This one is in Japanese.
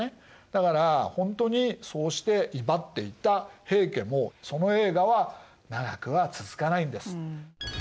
だからほんとにそうして威張っていた平家もその栄華は長くは続かないんです。